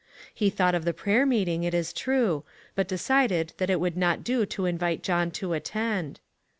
He thought of the prayer meeting, it is true, but decided that it would not do to invite John to attend.